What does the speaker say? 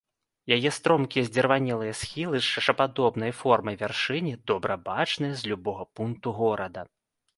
Яе стромкія, здзірванелыя схілы з чашападобнай формай вяршыні добра бачныя з любога пункта горада.